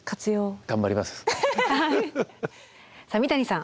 さあ三谷さん